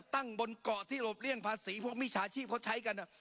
ตั้งบนเกาะที่หลบเลี่ยงภาษีพวกมิจฉาชีพเขาใช้กัน